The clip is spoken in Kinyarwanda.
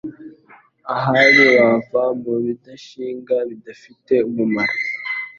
Ahari wava mubidashinga Bidafite umumaro